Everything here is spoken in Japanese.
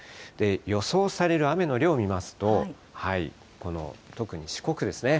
予想される雨の量を見ますと、この特に四国ですね。